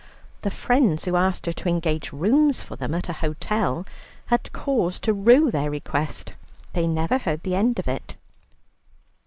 The friends who asked her to engage rooms for them at an hotel, had cause to rue their request; they never heard the end of it.